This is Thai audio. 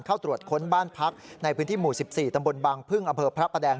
เข้าตรวจค้นบ้านพักในพื้นที่หมู่๑๔ตำบลบางพึ่งอำเภอพระประแดง